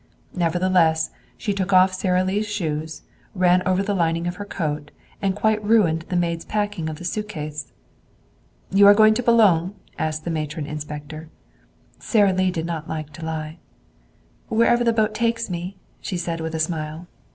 Nevertheless, she took off Sara Lee's shoes, and ran over the lining of her coat, and quite ruined the maid's packing of the suitcase. "You are going to Boulogne?" asked the matron inspector. Sara Lee did not like to lie. "Wherever the boat takes me," she said with smile.